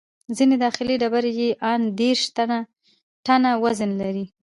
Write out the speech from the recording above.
ځینې داخلي ډبرې یې ان دېرش ټنه وزن لري.